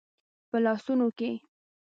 په لاسونو کې